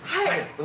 はい。